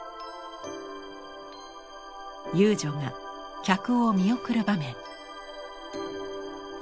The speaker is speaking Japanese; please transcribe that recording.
遊女が客を見送る場面。